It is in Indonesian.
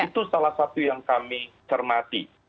itu salah satu yang kami cermati